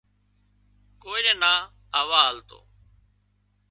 ڪوئي نا آووا آلتو